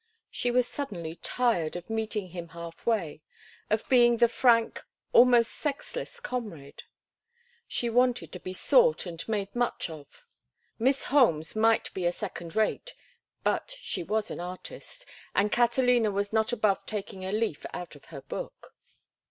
She was suddenly tired of meeting him half way, of being the frank, almost sexless, comrade; she wanted to be sought and made much of. Miss Holmes might be a second rate, but she was an artist, and Catalina was not above taking a leaf out of her book.